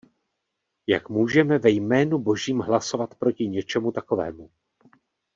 Jak můžeme ve jménu Božím hlasovat proti něčemu takovému?